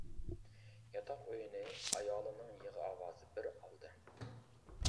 ياتاق ئۆينى ئايالىنىڭ يىغا ئاۋازى بىر ئالدى.